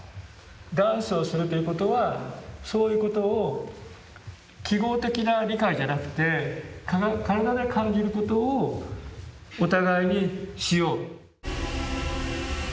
ダンスをするということはそういうことを記号的な理解じゃなくて身体で感じることをお互いにしよう。